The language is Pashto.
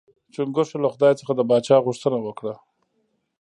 چنګښو له خدای څخه د پاچا غوښتنه وکړه.